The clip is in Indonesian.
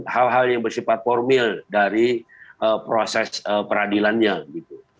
hal hal yang bersifat formil dari proses peradilannya gitu